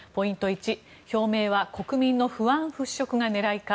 １表明は国民の不安払拭が狙いか。